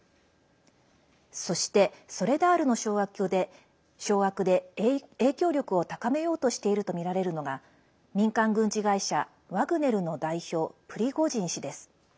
そして、ソレダールの掌握で影響力を高めようとしているとみられるのが民間軍事会社ワグネルの代表プリゴジン氏です。